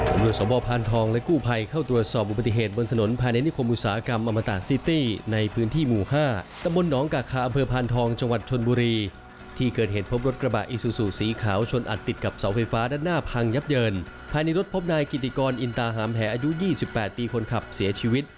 ตำรวจสมภาพและกู้ภัยเข้าตรวจสอบอุบัติเหตุบนถนนภายในนิคมอุตสาหกรรมอมตาซิตี้ในพื้นที่หมู่๕ตำบลหนองกาคาอำเภอพานทองจังหวัดชนบุรีที่เกิดเหตุพบรถกระบะอีซูซูสีขาวชนอัดติดกับเสาไฟฟ้าด้านหน้าพังยับเยินภายในรถพบนายกิติกรอินตาหามแหอายุ๒๘ปีคนขับเสียชีวิต